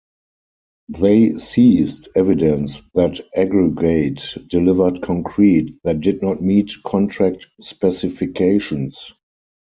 They seized evidence that Aggregate delivered concrete that did not meet contract specifications.